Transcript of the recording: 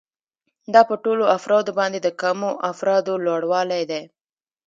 دا په ټولو افرادو باندې د کمو افرادو لوړوالی دی